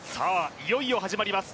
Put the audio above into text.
いよいよ始まります